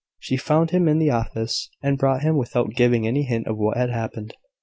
She found him in the office, and brought him, without giving any hint of what had happened.